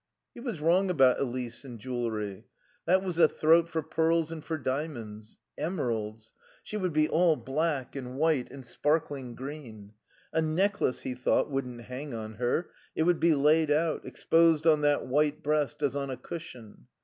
He was wrong about Elise and jewellery. That was a throat for pearls and for diamonds. Emeralds. She would be all black and white and sparkling green. A necklace, he thought, wouldn't hang on her; it would be laid out, exposed on that white breast as on a cushion.